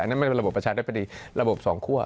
อันนี้มันเป็นระบบประชาธิปดีระบบสองคั่ว